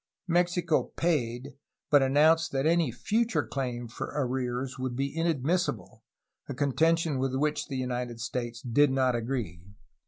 Mexico paid, but announced that any future claim for arrears would be inadmissible, a contention with which the United States did not agree.